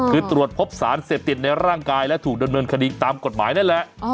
คือตรวจพบสารเสพติดในร่างกายและถูกดำเนินคดีตามกฎหมายนั่นแหละ